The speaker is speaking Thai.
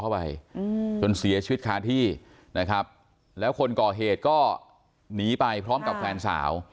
จนเสียชีวิตคาที่นะครับแล้วคนก่อเหตุก็หนีไปพร้อมกับแฟนสาว